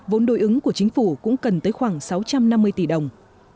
vốn đối ứng của chính phủ cũng cần tới khoảng sáu trăm năm mươi tỷ đồng